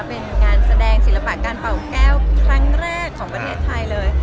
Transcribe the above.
เป็นงานแสดงศิลปะการเป่าแก้วครั้งแรกของประเทศไทยเลย